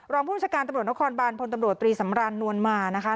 ผู้บัญชาการตำรวจนครบานพลตำรวจตรีสำรานนวลมานะคะ